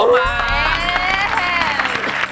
เฮ่ยเฮ่ยเฮ่ย